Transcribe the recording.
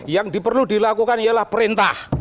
yang perlu dilakukan ialah perintah